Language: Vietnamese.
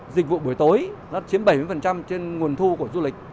dịch vụ buổi tối nó chiếm bảy mươi trên nguồn thu của du lịch